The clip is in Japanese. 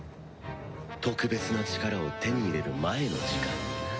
特別な力を手に入れる前の時間にな。